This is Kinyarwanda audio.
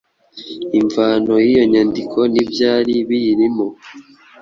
Imvano y'iyo nyandiko n'ibyari biyirimo.